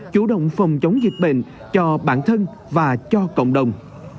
chủ động phòng chống dịch bệnh cho bản thân và cho cộng đồng